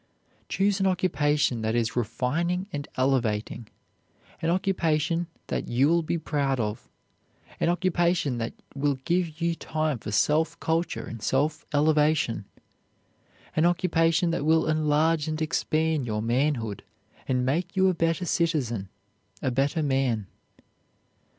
Choose an occupation that is refining and elevating; an occupation that you will be proud of; an occupation that will give you time for self culture and self elevation; an occupation that will enlarge and expand your manhood and make you a better citizen, a better man.